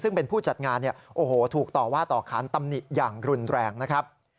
ซึ่งเป็นผู้จัดงานเนี่ยโอ้โหถูกต่อว่าต่อขานตำหนิอย่างรุนแรงนะครับ